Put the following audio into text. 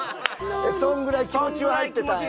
そんぐらい気持ちは入ってたんや？